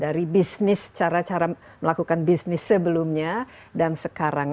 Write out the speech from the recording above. dari bisnis cara cara melakukan bisnis sebelumnya dan sekarang